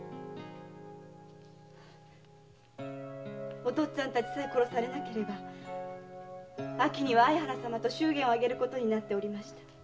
お父っつぁんたちさえ殺されなければ秋には相原様と祝言を挙げることになっておりました。